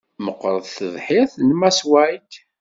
Meɣɣret tebḥirt n Mass White.